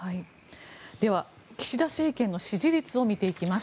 では、岸田政権の支持率を見ていきます。